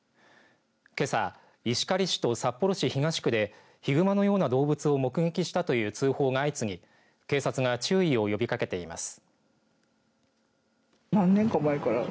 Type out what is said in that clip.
けさ、石狩市と札幌市東区でヒグマのような動物を目撃したという通報が相次ぎ警察が注意を呼びかけています。